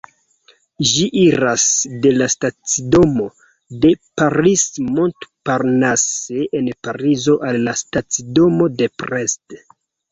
Ĝi iras de la stacidomo de Paris-Montparnasse en Parizo al la stacidomo de Brest.